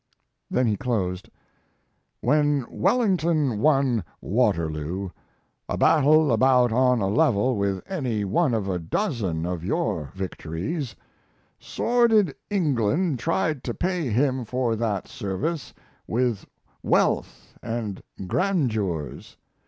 Then he closed: When Wellington won Waterloo, a battle about on a level with any one of a dozen of your victories, sordid England tried to pay him for that service with wealth and grandeurs.